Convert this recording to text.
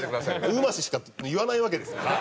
「うまし！」しか言わないわけですから。